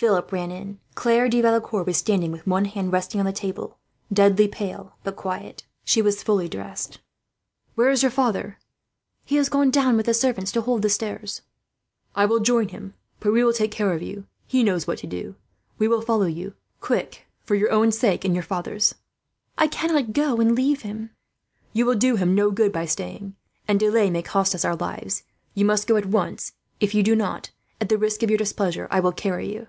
Philip ran in. Claire de Valecourt was standing with one hand resting on the table, deadly pale, but quiet. She was fully dressed. "Where is your father?" Philip exclaimed. "He has gone down with the servants to hold the stairs." "I will join him," Philip said. "Pierre will take care of you. He knows what to do. We will follow you. Quick, for your own sake and your father's." "I cannot go and leave him." "You will do him no good by staying, and delay may cost us all our lives. You must go at once. If you do not, at the risk of your displeasure, I must carry you."